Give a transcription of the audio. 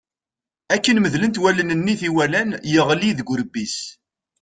Akken medlent wallen-nni i t-iwalan, yeɣli deg urebbi-s.